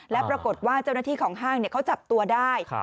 และปรากฏว่าเจ้าหน้าที่ของห้างเขาจับตัวได้